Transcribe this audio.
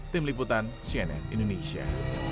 tim liputan cnn indonesia